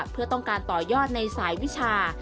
เพื่อต้องการต่อยอดในสายวิชา